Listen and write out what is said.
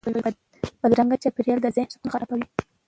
بدرنګه چاپېریال د ذهن سکون خرابوي